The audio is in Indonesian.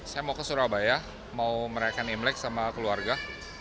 saya mau ke surabaya mau merayakan imlek sama keluarga